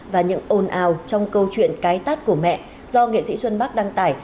và những ồn ào trong câu chuyện cái tát của mẹ do nghệ sĩ xuân bắc đăng tải